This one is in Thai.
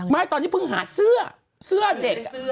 ไม่ตอนนี้เพิ่งหาเสื้อเสื้อเด็ก